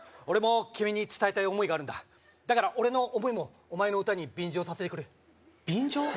俺も君に伝えたい想いがあるんだだから俺の想いもお前の歌に便乗させてくれ便乗？